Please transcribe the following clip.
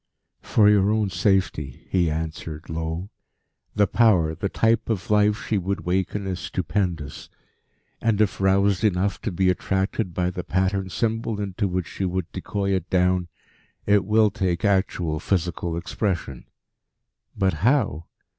"For your own safety," he answered low. "The Power, the type of life, she would waken is stupendous. And if roused enough to be attracted by the patterned symbol into which she would decoy it down, it will take actual, physical expression. But how?